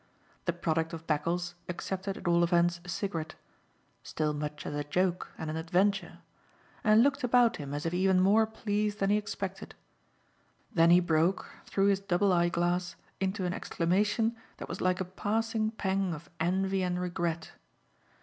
The product of Beccles accepted at all events a cigarette still much as a joke and an adventure and looked about him as if even more pleased than he expected. Then he broke, through his double eye glass, into an exclamation that was like a passing pang of envy and regret.